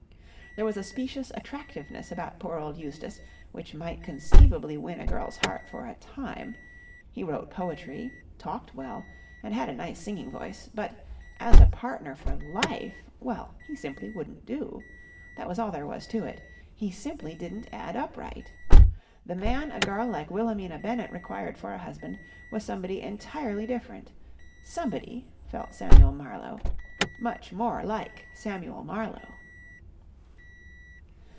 There was a specious attractiveness about poor old Eustace which might conceivably win a girl's heart for a time; he wrote poetry, talked well, and had a nice singing voice; but, as a partner for life ... well, he simply wouldn't do. That was all there was to it. He simply didn't add up right. The man a girl like Wilhelmina Bennett required for a husband was somebody entirely different ... somebody, felt Samuel Marlowe, much more like Samuel Marlowe.